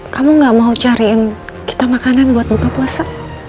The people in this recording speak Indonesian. kamu gak mau cariin kita makanan buat buka puasa